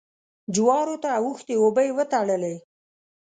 جوارو ته اوښتې اوبه يې وتړلې.